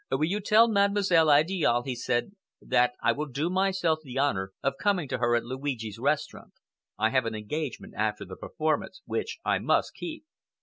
"Will you tell Mademoiselle Idiale," he said, "that I will do myself the honor of coming to her at Luigi's restaurant. I have an engagement after the performance which I must keep."